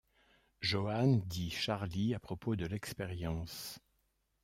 Joanne dit Charlie à propos de l'expérience.